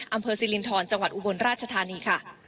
อำเภอสิรินทรจังหวัดอุบลราชธานีค่ะ